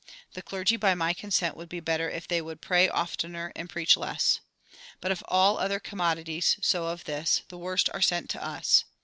The clergy by my consent would be better if they would pray oftener and preach less. But of all other commodities, so of this, the worst are sent us.